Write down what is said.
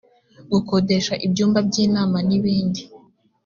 gukodesha ibyumba by inama n ibindi